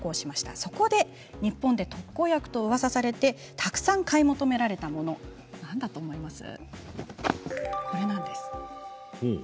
そこで日本で特効薬とうわさされてたくさん買い求められたもの、何だと思いますか？